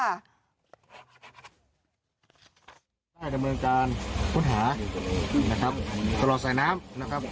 ได้ดำเนินการค้นหาตลอดสายน้ำ